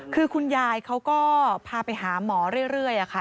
คือคุณยายเขาก็พาไปหาหมอเรื่อยค่ะ